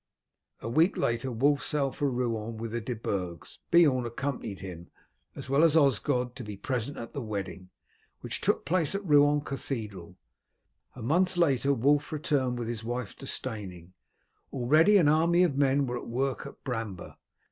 A week later Wulf sailed for Rouen with the De Burgs. Beorn accompanied him, as well as Osgod, to be present at the wedding, which took place at Rouen Cathedral. A month later Wulf returned with his wife to Steyning. Already an army of men were at work at Bramber.